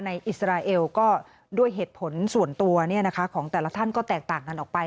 อิสราเอลก็ด้วยเหตุผลส่วนตัวของแต่ละท่านก็แตกต่างกันออกไป